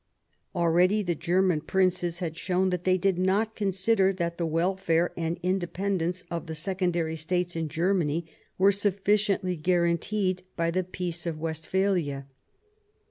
Already the German princes had shown that they did not consider that the welfare and independence of the secondary states in Germany were sufficiently guaranteed by the Peace of Westphalia.